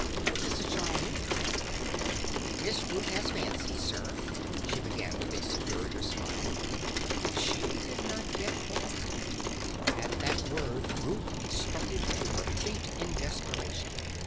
What does the child mean?" "Miss Ruth has fancies, sir," she began with a superior smile. But she did not get far, for at that word Ruth started to her feet in desperation.